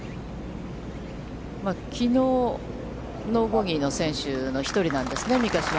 きのうノーボギーの選手の１人なんですね